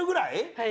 はい。